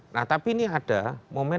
nah tapi ini ada momen